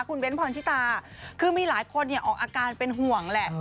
คุณเบ้นพรชิตาคือมีหลายคนออกอาการเป็นห่วงแหละ